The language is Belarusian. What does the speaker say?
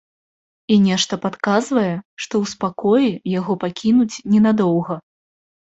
І нешта падказвае, што ў спакоі яго пакінуць ненадоўга.